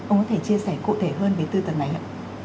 ông có thể chia sẻ cụ thể hơn về tư tưởng này ạ